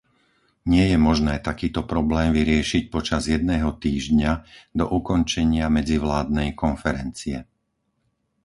Nie je možné takýto problém vyriešiť počas jedného týždňa do ukončenia medzivládnej konferencie.